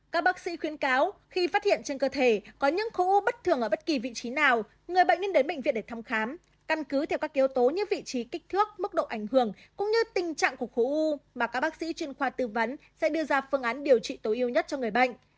các bác sĩ khuyến cáo khi phát hiện trên cơ thể có những khối u bất thường ở bất kỳ vị trí nào người bệnh nên đến bệnh viện để thăm khám căn cứ theo các yếu tố như vị trí kích thước mức độ ảnh hưởng cũng như tình trạng của khối u mà các bác sĩ chuyên khoa tư vấn sẽ đưa ra phương án điều trị tối ưu nhất cho người bệnh